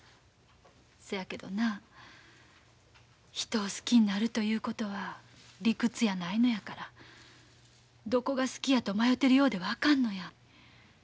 そやけどな人を好きになるということは理屈やないのやからどこが好きやと迷てるようではあかんのや。